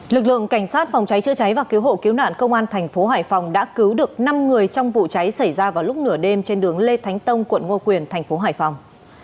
lực lượng cảnh sát phòng cháy chữa cháy và cứu hộ cứu nạn công an thành phố hải phòng đã cứu được năm người trong vụ cháy xảy ra vào lúc nửa đêm trên đường lê thánh tông quận ngo quyền thành phố hải phòng